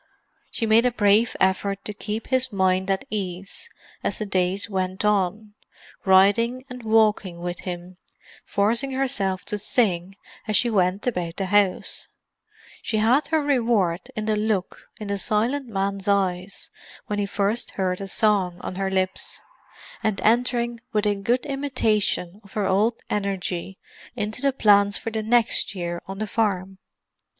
She made a brave effort to keep his mind at ease as the days went on; riding and walking with him, forcing herself to sing as she went about the house—she had her reward in the look in the silent man's eyes when he first heard a song on her lips—and entering with a good imitation of her old energy into the plans for the next year on the farm.